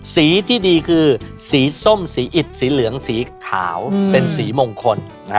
สีที่ดีคือสีส้มสีอิดสีเหลืองสีขาวเป็นสีมงคล